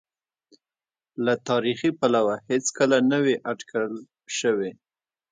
له تاریخي پلوه هېڅکله نه وې اټکل شوې.